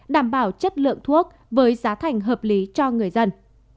đảm bảo chất lượng thuốc với giá thành hợp lý cho người dân